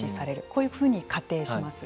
こういうふうに仮定します。